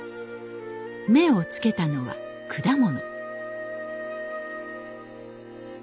目をつけたのは果物。